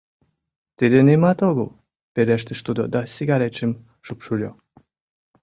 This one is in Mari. — Тиде нимат огыл, — пелештыш тудо да сигаретшым шупшыльо.